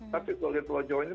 tapi kalau lihat pulau jawa ini